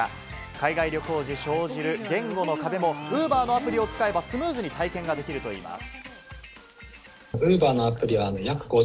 海外旅行時に生じる言語の壁もＵｂｅｒのアプリを使えば、スムーズに体験ができるといいます。